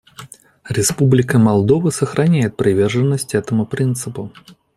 Республика Молдова сохраняет приверженность этому принципу.